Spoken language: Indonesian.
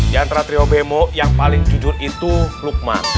yang terakhir dari trio bemo yang paling jujur itu lukman